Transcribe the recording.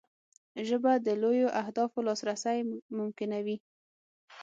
ژبه د لویو اهدافو لاسرسی ممکنوي